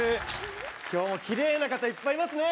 今日もキレイな方いっぱいいますね